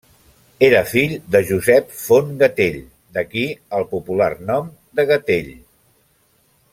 Era fill de Josep Font Gatell, d’aquí el popular nom de Gatell.